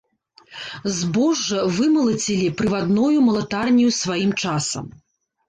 Збожжа вымалацілі прывадною малатарняю сваім часам.